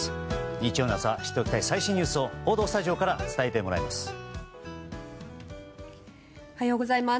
日曜の朝知っておきたい最新ニュースを報道スタジオから伝えてもらいます。